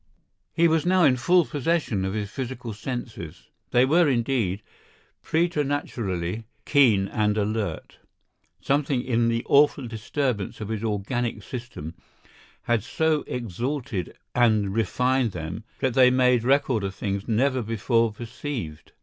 He was now in full possession of his physical senses. They were, indeed, preternaturally keen and alert. Something in the awful disturbance of his organic system had so exalted and refined them that they made record of things never before perceived.